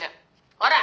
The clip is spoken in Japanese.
ほら。